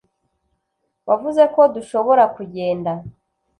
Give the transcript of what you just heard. Wavuze ko dushobora kugenda